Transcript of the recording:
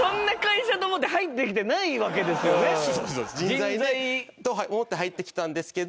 人材と思って入ってきたんですけど。